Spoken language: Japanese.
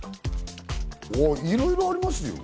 いろいろありますよ。